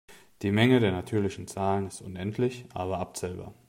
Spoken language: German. Die Menge der natürlichen Zahlen ist unendlich aber abzählbar.